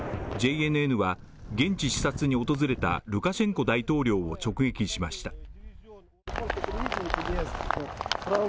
ＪＮＮは現地視察に訪れたルカシェンコ大統領を直撃しました。